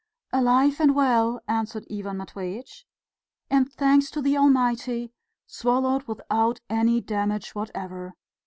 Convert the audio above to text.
"Alive and well," answered Ivan Matveitch, "and, thanks to the Almighty, swallowed without any damage whatever.